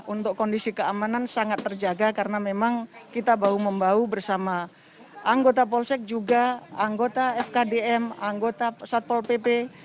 untuk kondisi keamanan sangat terjaga karena memang kita bahu membahu bersama anggota polsek juga anggota fkdm anggota satpol pp